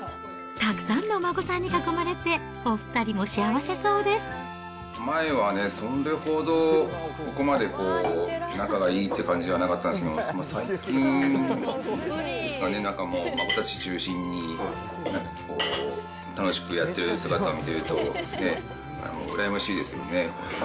たくさんのお孫さんに囲まれて、前はね、それほど、ここまで仲がいいって感じではなかったんですけど、最近ですかね、なんかもう、孫たち中心に楽しくやってる姿見てるとね、羨ましいですよね。